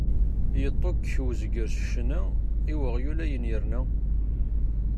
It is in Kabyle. Yeṭṭukkek uzger s ccna; i weɣyul, ayɣer yerna?